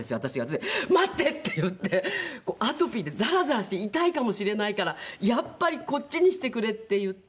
「アトピーでザラザラして痛いかもしれないからやっぱりこっちにしてくれ」って言って。